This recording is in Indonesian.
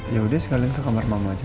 yaudah segalanya ke kamar mama aja